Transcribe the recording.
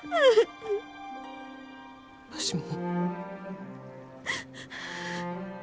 わしも。